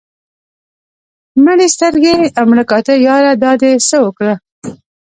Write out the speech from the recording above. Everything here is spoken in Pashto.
مړې سترګې او مړه کاته ياره دا دې څه اوکړه